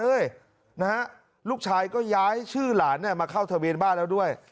นะฮะลูกชายก็ย้ายชื่อหลานมาเข้าทะเบียนบ้านแล้วด้วย